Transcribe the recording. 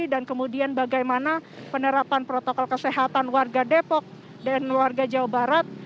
dan kemudian bagaimana penerapan protokol kesehatan warga depok dan warga jawa barat